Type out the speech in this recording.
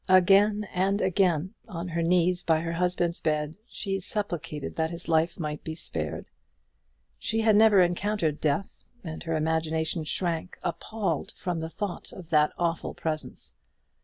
Again and again, on her knees by her husband's bed, she supplicated that his life might be spared. She had never encountered death, and her imagination shrank appalled from the thought of that awful presence.